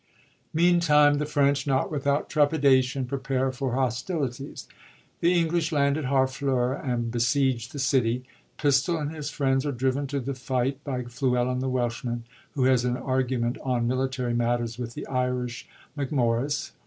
Meantime, the French, not without trepidation, prepare for hostilities. The English land at Harfleur and besiege the city. Pistol and his friends are driven to the fight by Fluellen the Welshman, who has an argu ment on military matters with the Irish Macmorris.